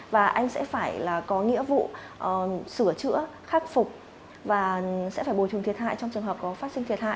và anh sẽ phải là có nghĩa vụ sửa chữa khắc phục và sẽ phải bồi thường thiệt hại trong trường hợp có phát sinh thiệt hại